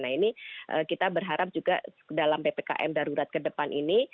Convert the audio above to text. nah ini kita berharap juga dalam ppkm darurat ke depan ini